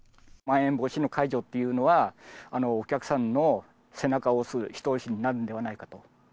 まん延防止の解除っていうのは、お客さんの背中を押す一押しになるのではないかと。